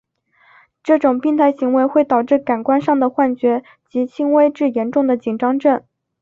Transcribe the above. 这种病态行为会导致感官上的幻觉及轻微至严重的紧张症。